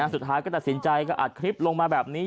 สุดท้ายก็ตัดสินใจก็อัดคลิปลงมาแบบนี้